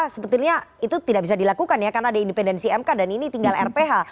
sebetulnya itu tidak bisa dilakukan ya karena ada independensi mk dan ini tinggal rph